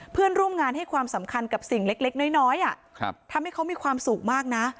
เพื่อนร่วมงานให้ความสำคัญกับสิ่งเล็กน้อยทำให้เขามีความสุขมากนะ